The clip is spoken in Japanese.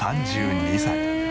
３２歳。